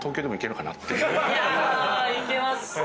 いやいけます！